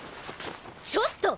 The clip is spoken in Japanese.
ちょっと！